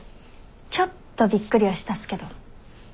ちょっとびっくりはしたっすけど。